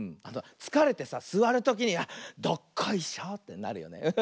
つかれてさすわるときにどっこいしょってなるよね。